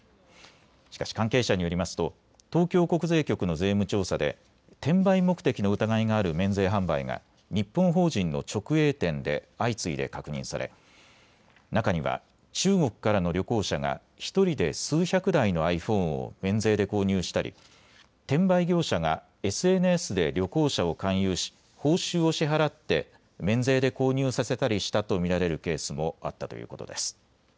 しかし関係者によりますと東京国税局の税務調査で転売目的の疑いがある免税販売が日本法人の直営店で相次いで確認され中には中国からの旅行者が１人で数百台のｉＰｈｏｎｅを免税で購入したり転売業者がＳＮＳで旅行者を勧誘し報酬を支払って免税で購入させたりしたと見られるケースもあったということです。